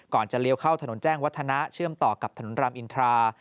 จะเลี้ยวเข้าถนนแจ้งวัฒนะเชื่อมต่อกับถนนรามอินทรา